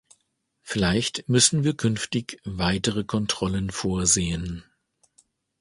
Vielleicht müssen wir künftig weitere Kontrollen vorsehen.